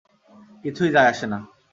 কিছুই যায় আসে না।